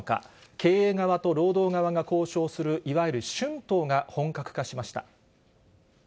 経営側と労働側が交渉するいわゆる春闘が本格化しました。